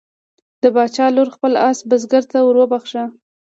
د باچا لور خپل آس بزګر ته وروبخښه.